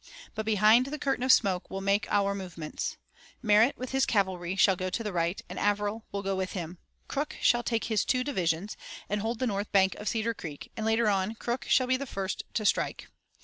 But behind the curtain of smoke we'll make our movements. Merritt with his cavalry shall go to the right and Averill will go with him. Crook shall take his two divisions and hold the north bank of Cedar Creek, and later on Crook shall be the first to strike.